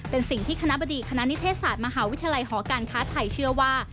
เป็นสิ่งที่คณะบดีคณะนิเทศศาสตร์มหาวิทยาลัยหอการค้าไทยเชื่อว่า